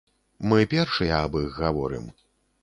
Мы першыя аб іх гаворым.